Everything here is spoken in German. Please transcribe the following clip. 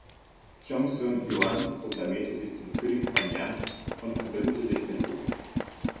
Gongsun Yuan proklamierte sich zum "König von Yan" und verbündete sich mit Wu.